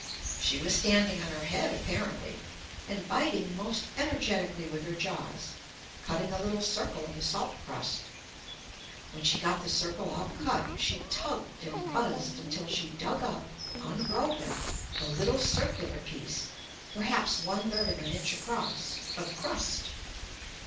She was standing on her head, apparently, and biting most energetically with her jaws, cutting a little circle in the salt crust. When she got the circle all cut, she tugged and buzzed until she dug up, unbroken, the little circular piece (perhaps one third of an inch across) of crust.